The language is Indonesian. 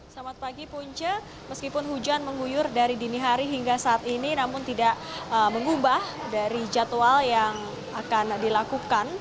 selamat pagi punce meskipun hujan mengguyur dari dini hari hingga saat ini namun tidak mengubah dari jadwal yang akan dilakukan